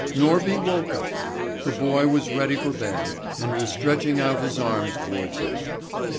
Norby woke up. The boy was ready for bed, and was stretching out his arms towards him.